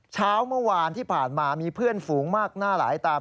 เช้าเมื่อวานที่ผ่านมามีเพื่อนฝูงมากหน้าหลายตา